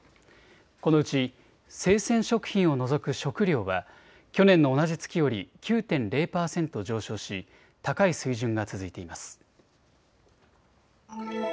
このうち生鮮食品を除く食料は去年の同じ月より９．０％上昇し高い水準が続いています。